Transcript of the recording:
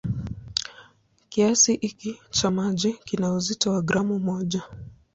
Kiasi hiki cha maji kina uzito wa gramu moja.